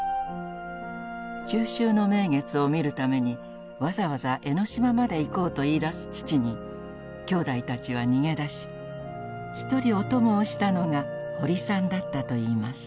中秋の名月を見るためにわざわざ江の島まで行こうと言いだす父にきょうだいたちは逃げ出し一人お供をしたのが堀さんだったといいます。